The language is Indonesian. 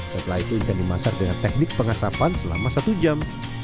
setelah itu ikan dimasak dengan teknik pengasapan selama satu jam